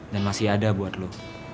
dan masih ada buat lu